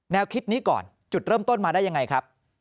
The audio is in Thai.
คิดนี้ก่อนจุดเริ่มต้นมาได้ยังไงครับ